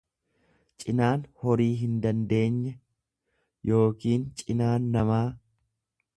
Cinaan horii hindandeenye. yookiin cinaan namaa.